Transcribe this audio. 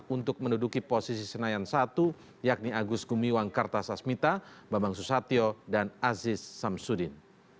untuk menduduki posisi senayan satu yakni agus gumiwang kartasasmita bambang susatyo dan aziz samsudin